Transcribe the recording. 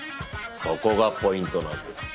そこがポイントなんです。